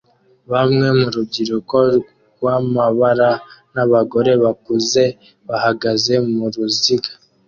Bamwe mu rubyiruko rwamabara nabagore bakuze bahagaze muruziga